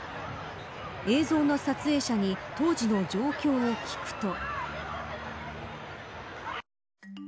映像の撮影者に当時の状況を聞くと。